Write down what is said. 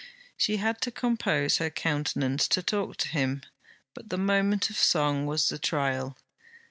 She had to compose her countenance to talk to him; but the moment of song was the trial.